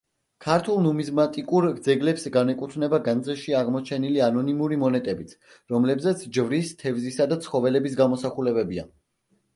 ქართულ ნუმიზმატიკურ ძეგლებს განეკუთვნება განძში აღმოჩენილი ანონიმური მონეტებიც, რომლებზეც ჯვრის, თევზისა და ცხოველების გამოსახულებებია.